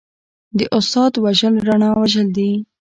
د استاد وژل رڼا وژل دي.